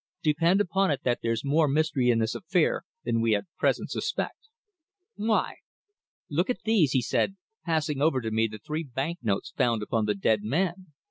"Depend upon it that there's more mystery in this affair than we at present suspect." "Why?" "Look at these," he said, passing over to me the three banknotes found upon the dead man.